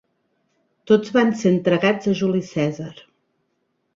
Tots van ser entregats a Juli Cèsar.